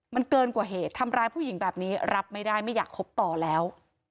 มันเกินกว่าเหตุทำร้ายผู้หญิงแบบนี้รับไม่ได้ไม่อยากคบต่อแล้ว